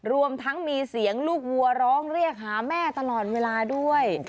รวมทั้งมีเสียงลูกวัวร้องเรียกหาแม่ตลอดเวลาด้วย